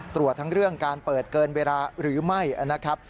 ตรวจทั้งเรื่องการเปิดเกินเวลาหรือไม่นะครับ